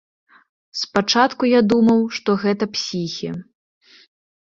Спачатку я думаў, што гэта псіхі.